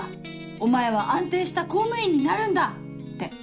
お前は安定した公務員になるんだ」って。